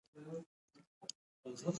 ازادي راډیو د چاپیریال ساتنه بدلونونه څارلي.